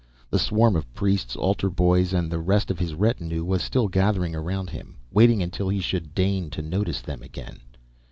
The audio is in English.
The swarm of priests, altar boys, and the rest of his retinue was still gathered around him, waiting until he should deign to notice them again.